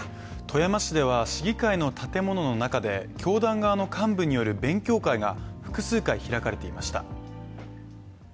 富山市では、市議会の建物の中で教団側の幹部による勉強会が複数回開かれていました。